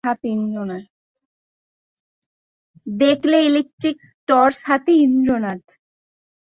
দেখলে electric torch হাতে ইন্দ্রনাথ।